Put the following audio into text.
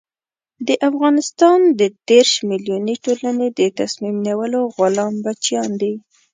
د افغانستان د دېرش ملیوني ټولنې د تصمیم نیولو غلام بچیان دي.